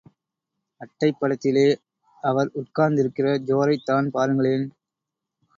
அட்டைப் படத்திலே அவர் உட்கார்ந்திருக்கிற ஜோரைத் தான் பாருங்களேன்.